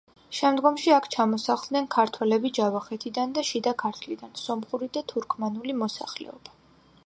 შემდგომში აქ ჩამოსახლდნენ ქართველები ჯავახეთიდან და შიდა ქართლიდან, სომხური და თურქმანული მოსახლეობა.